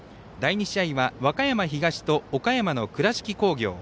第２試合は和歌山東と岡山の倉敷工業。